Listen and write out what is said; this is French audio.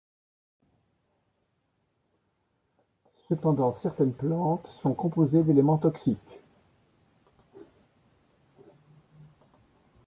Cependant certaines plantes sont composées d'éléments toxiques.